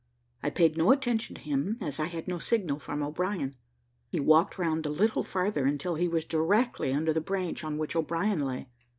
I paid no attention to him, as I had no signal from O'Brien. He walked round a little farther, until he was directly under the branch on which O'Brien lay.